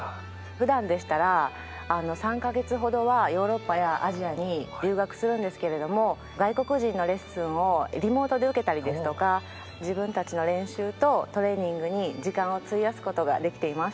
ふだんでしたら３か月ほどはヨーロッパやアジアに留学するんですけれども外国人のレッスンをリモートで受けたりですとか自分たちの練習とトレーニングに時間を費やすことができています。